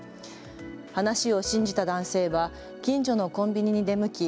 話を信じた男性は近所のコンビニに出向き